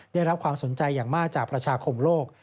ได้รับความสนใจอย่างมากจากประชาคมโลก